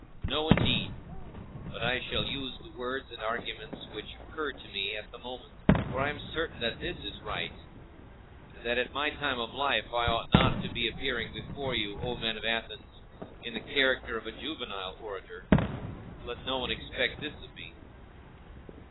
No, indeed! but I shall use the words and arguments which occur to me at the moment; for I am certain that this is right, and that at my time of life I ought not to be appearing before you, O men of Athens, in the character of a juvenile orator: let no one expect this of me.